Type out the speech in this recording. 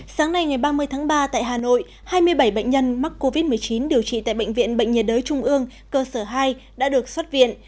sáng nay ngày ba mươi tháng ba tại hà nội hai mươi bảy bệnh nhân mắc covid một mươi chín điều trị tại bệnh viện bệnh nhiệt đới trung ương cơ sở hai đã được xuất viện